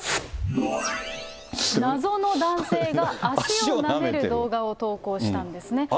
謎の男性が足をなめる動画を投稿したんですよね。